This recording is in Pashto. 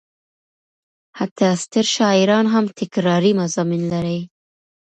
حتی ستر شاعران هم تکراري مضامین لري.